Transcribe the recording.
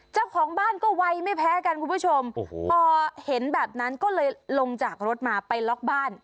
เจ้าของบ้านก็ไวไม่แพ้กันคุณผู้ชมโอ้โหพอเห็นแบบนั้นก็เลยลงจากรถมาไปล็อกบ้าน